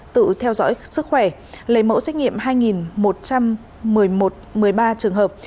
hai sáu mươi bốn tự theo dõi sức khỏe lấy mẫu xét nghiệm hai một trăm một mươi ba trường hợp